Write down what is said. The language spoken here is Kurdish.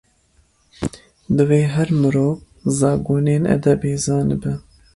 Divê her mirov, zagonên edebê zanibe.